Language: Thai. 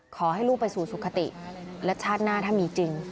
ขอให้ลูกไปสู่สุขติและชาติหน้าถ้ามีจริง